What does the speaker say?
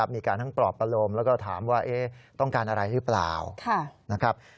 มีการทั้งปรอบประโลมแล้วก็ถามว่าต้องการอะไรรึเปล่า